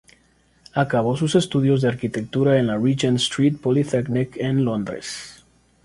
Acabó sus estudios de arquitectura en la "Regent Street Polytechnic" en Londres.